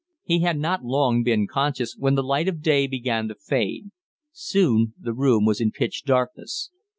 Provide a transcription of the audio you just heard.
He had not long been conscious, when the light of day began to fade. Soon the room was in pitch darkness.